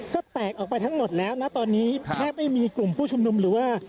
ก็แตกออกไปทั้งหมดแล้วนะตอนนี้แทบไม่มีกลุ่มผู้ชุมนุมหรือว่า